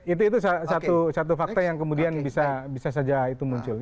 itu satu fakta yang kemudian bisa saja itu muncul